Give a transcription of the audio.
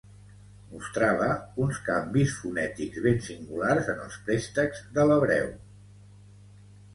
Mostrava uns canvis fonètics ben singulars en els préstecs de l'hebreu.